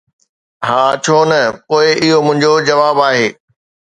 ”ها، ڇو نه؟“ ”پوءِ اهو منهنجو جواب آهي.